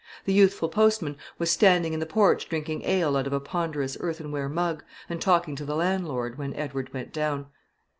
The youthful postman was standing in the porch drinking ale out of a ponderous earthenware mug, and talking to the landlord, when Edward went down.